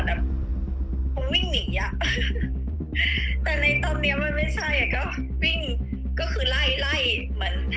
แล้วก็ตะหวานมันมันก็น่าจะตกใจละมันก็